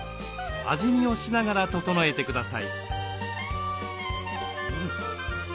味見をしながら調えてください。